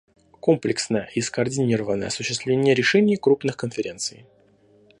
Комплексное и скоординированное осуществление решений крупных конференций.